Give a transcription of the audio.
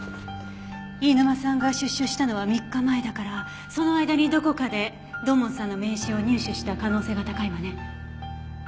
飯沼さんが出所したのは３日前だからその間にどこかで土門さんの名刺を入手した可能性が高いわね。